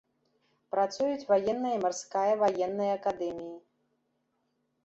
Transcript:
Працуюць ваенная і марская ваенная акадэміі.